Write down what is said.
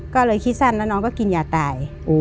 ก็เลยคิดสั้นแล้วน้องก็กินยาตาย